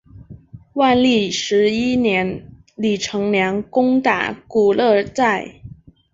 万历十一年李成梁攻打古勒寨。